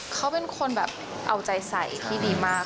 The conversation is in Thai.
เขาเป็นคนแบบเอาใจใส่ที่ดีมาก